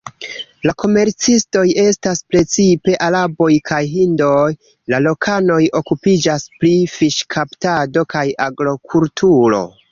La komercistoj estas precipe araboj kaj hindoj; la lokanoj okupiĝas pri fiŝkaptado kaj agrokulturo.